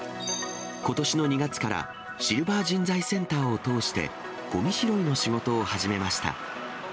ことしの２月からシルバー人材センターを通して、ごみ拾いの仕事を始めました。